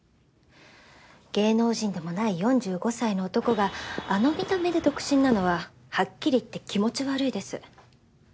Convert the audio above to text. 芸能人でもない４５歳の男があの見た目で独身なのははっきり言って気持ち悪いです。